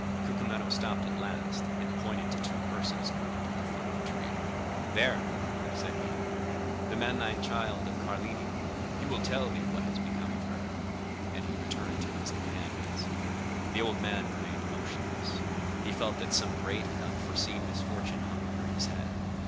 Cucumetto stopped at last, and pointed to two persons grouped at the foot of a tree. "'There,' said he, 'demand thy child of Carlini; he will tell thee what has become of her;' and he returned to his companions. "The old man remained motionless; he felt that some great and unforeseen misfortune hung over his head.